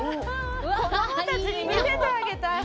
子供たちに見せてあげたい。